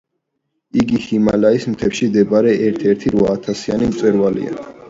იგი ჰიმალაის მთებში მდებარე ერთ-ერთი რვაათასიანი მწვერვალია.